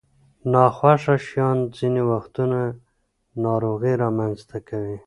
ناخوښه شیان ځینې وختونه ناروغۍ رامنځته کوي.